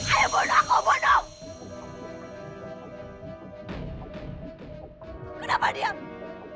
ayo bunuh aku bunuh